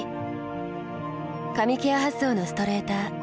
髪ケア発想のストレーター。